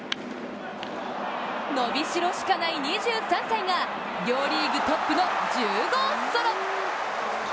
伸びしろしかない２３歳が両リーグトップの１０号ソロ。